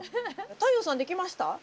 太陽さん出来ました？